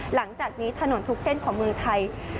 หลังจากนี้ถนนทุกเส้นของเมืองไทย